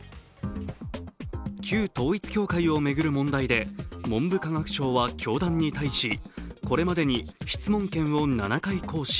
旧統一教会を巡る問題で文部科学省は教団に対しこれまでに質問権を７回行使。